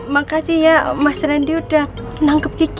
makasih ya mas randy udah nangkep juga